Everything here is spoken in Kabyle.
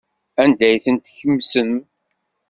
Anda ay ten-tkemsem?